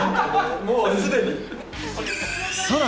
もうすでに。